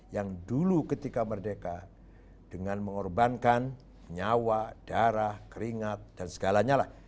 yang dulu ketika merdeka dengan mengorbankan nyawa darah keringat dan segalanya lah